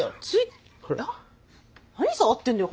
何触ってんだよ